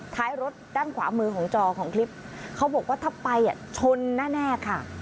ท้ายรถด้านขวามือของจอของคลิปเขาบอกว่าถ้าไปชนแน่ค่ะ